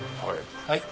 はい。